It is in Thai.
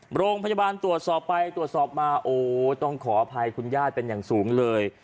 โรงพยาบาลตรวจสอบไปตรวจสอบมาโอ้ต้องขออภัยคุณญาติเป็นอย่างสูงเลย